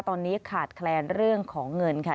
ตอนนี้ขาดแคลนเรื่องของเงินค่ะ